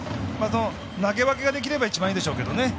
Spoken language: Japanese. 投げ分けができれば一番いいでしょうけどね。